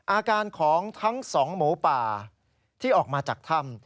อาการของทั้งสองหมูป่าที่ออกมาจากถ้ำ